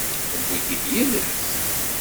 Tewwi-k yid-s?